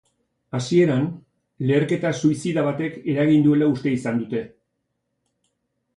Hasieran, leherketa suizida batek eragin duela uste izan dute.